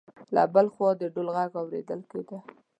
له بل خوا د ډول غږ اورېدل کېده.